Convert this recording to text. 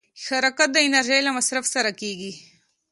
حرکت د انرژۍ له مصرف سره کېږي.